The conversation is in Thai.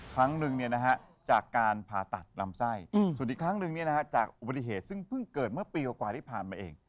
ครั้งหนึ่งจากการผ่าตัดลำไส้ส่วนอีกครั้งหนึ่งจากอุบัติเหตุซึ่งเพิ่งเกิดเมื่อปีกว่าที่ผ่านมาเอง